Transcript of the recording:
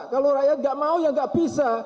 kalau rakyat nggak mau ya nggak bisa